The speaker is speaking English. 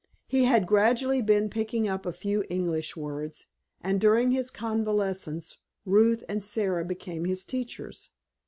He had gradually been picking up a few English words, and during his convalescence Ruth and Sara became his teachers.